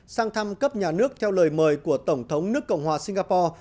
sang thăm cấp nhà nước theo lời mời của tổng thống nước cộng hòa singapore